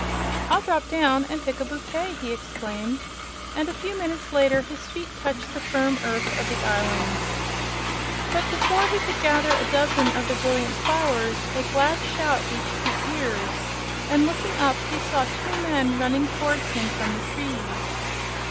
"I'll drop down and pick a bouquet," he exclaimed, and a few moments later his feet touched the firm earth of the island. But before he could gather a dozen of the brilliant flowers a glad shout reached his ears, and, looking up, he saw two men running towards him from the trees.